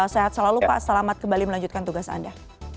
sehat selalu pak selamat kembali melanjutkan tugas anda